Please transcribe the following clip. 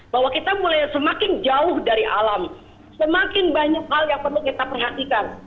bahwa kita mulai semakin jauh dari alam semakin banyak hal yang perlu kita perhatikan